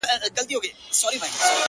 له آمو تر اباسینه دا څپه له کومه راوړو!!